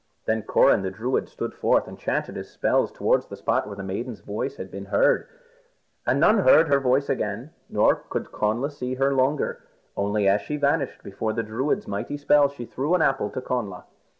Then Coran the Druid stood forth and chanted his spells towards the spot where the maiden's voice had been heard. And none heard her voice again, nor could Connla see her longer. Only as she vanished before the Druid's mighty spell, she threw an apple to Connla.